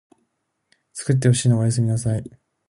つくってほしいのおやすみなさい